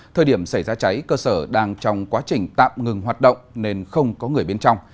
thời điểm xảy ra cháy cơ sở đang trong quá trình tạm ngừng hoạt động nên không có người bên trong